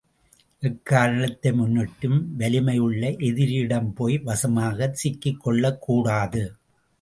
எக்காரணத்தை முன்னிட்டும், வலிமையுள்ள எதிரியிடம் போய் வசமாக சிக்கிக்கொள்ளக்கூடாது.